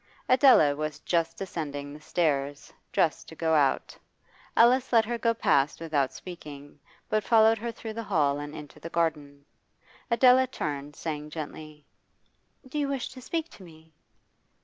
Adela was just descending the stairs, dressed to go out. Alice let her go past without speaking, but followed her through the hall and into the garden. Adela turned, saying gently 'Do you wish to speak to me?